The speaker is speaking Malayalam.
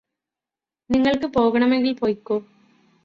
നിങ്ങള്ക്ക് പോകണമെങ്കില് പൊയ്കോ